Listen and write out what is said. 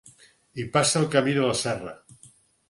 Hi passa el Camí de la Serra.